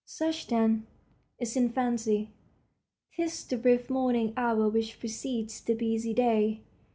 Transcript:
Such, then, is infancy. 'Tis the brief morning hour which precedes the busy day.